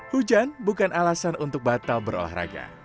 hujan bukan alasan untuk batal berolahraga